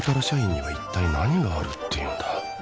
社員には一体何があるっていうんだ？